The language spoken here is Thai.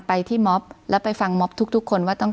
คุณปริณาค่ะหลังจากนี้จะเกิดอะไรขึ้นอีกได้บ้าง